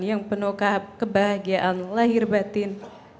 yang penuh kebahagiaan lahir batin